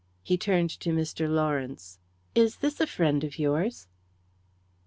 He turned to Mr. Lawrence "Is this a friend of yours?"